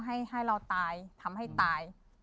ให้เราตายทำให้ตาย